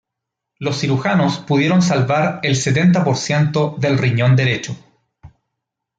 Los cirujanos pudieron salvar el setenta por ciento del riñón derecho.